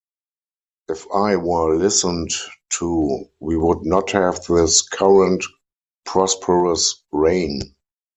If I were listened to, we would not have this current prosperous reign.